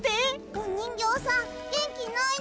おにんぎょうさんげんきないの。